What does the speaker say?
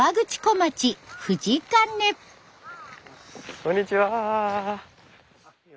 こんにちは。